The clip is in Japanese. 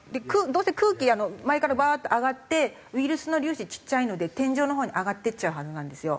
どうせ空気前からバーッて上がってウイルスの粒子ちっちゃいので天井のほうに上がっていっちゃうはずなんですよ。